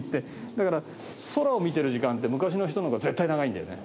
だから空を見てる時間って昔の人の方が絶対長いんだよね。